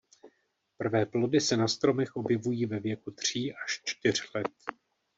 Prvé plody se na stromech objevují ve věku tří až čtyř let.